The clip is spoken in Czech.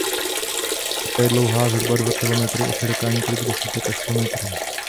Řeka je dlouhá zhruba dva kilometry a široká několik desítek až sto metrů.